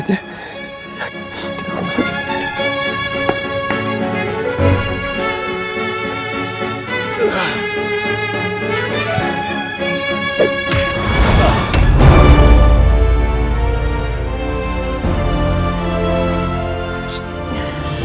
kita ke rumah sakit